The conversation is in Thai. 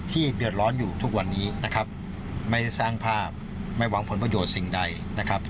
เดือดร้อนอยู่ทุกวันนี้นะครับไม่ได้สร้างภาพไม่หวังผลประโยชน์สิ่งใดนะครับ